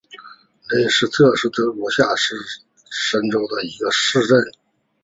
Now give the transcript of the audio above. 雷彭斯特是德国下萨克森州的一个市镇。